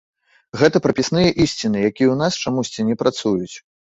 Гэта прапісныя ісціны, якія ў нас чамусьці не працуюць.